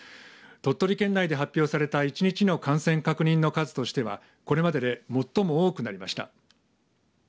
鳥取県内で発表された１日の感染者数確認の数としてはこれまでで最も多くなりました。